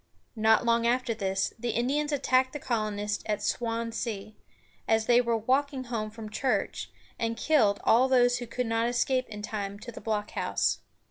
Not long after this, the Indians attacked the colonists at Swan´sea, as they were walking home from church, and killed all those who could not escape in time to the blockhouse.